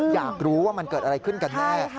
อยากรู้ว่ามันเกิดอะไรขึ้นกันแน่